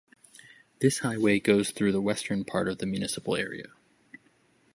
This highway goes through the western part of the municipal area.